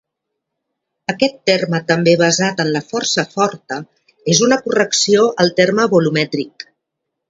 Aquest terme, també basat en la força forta, és una correcció al terme volumètric.